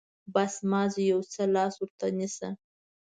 بس، مازې يو څه لاس ورته نيسه.